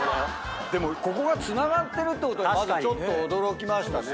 でもここがつながってるってまずちょっと驚きましたね。